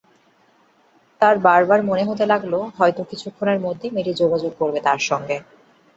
তাঁর বারবার মনে হতে লাগল, হয়তো কিছুক্ষণের মধ্যেই মেয়েটি যোগাযোগ করবে তাঁর সঙ্গে।